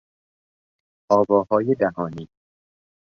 آواهای دهانی